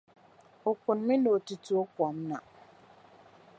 O kunimi ni o ti tooi kom na.